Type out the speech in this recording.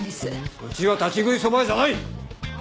うちは立ち食いそば屋じゃない！